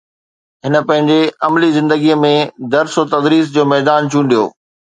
هن پنهنجي عملي زندگيءَ ۾ درس تدريس جو ميدان چونڊيو